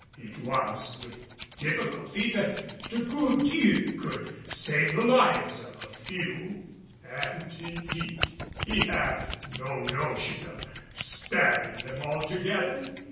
It was with difficulty that De Gourgues could save the lives of a few; and indeed he had no notion of sparing them altogether.